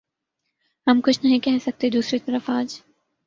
ہم کچھ نہیں کہہ سکتے دوسری طرف آج